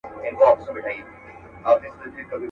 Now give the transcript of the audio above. ما له ازله بې خبره کوچي.